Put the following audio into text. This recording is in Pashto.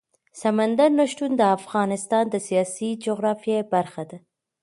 سمندر نه شتون د افغانستان د سیاسي جغرافیه برخه ده.